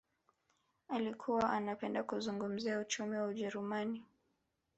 Alikuwa anapenda kuzungumzia uchumi wa ujerumani